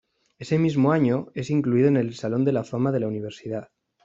Ese mismo año es incluido en el Salón de la Fama de la universidad.